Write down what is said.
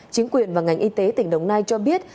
chính quyền và ngành y tế tỉnh đồng nai cho biết